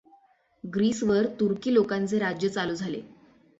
ग्रीसवर तुर्की लोकांचे राज्य चालू झाले.